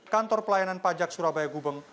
kantor pelayanan pajak surabaya gubeng